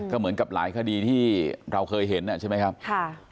ก็เหมือนกับหลายคดีที่เราเคยเห็นใช่ไหมครับค่ะ